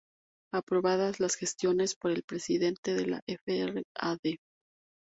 Aprobadas las gestiones por el Presidente de la F.r.a.d.